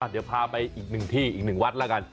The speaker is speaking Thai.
เดี๋ยวพาไปอีกหนึ่งที่อีกหนึ่งวัดแล้วกัน